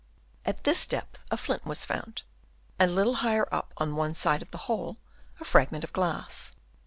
At this depth a flint was found, and a little higher up on one side of the hole a fragment of glass.